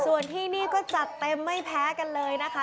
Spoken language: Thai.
ส่วนที่นี่ก็จัดเต็มไม่แพ้กันเลยนะคะ